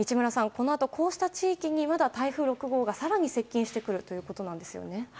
このあと、こうした地域にまた台風６号が更に接近してくるということですよね。